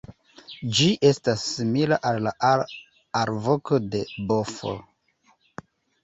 Ĝi estas simila al la alvoko de bufo.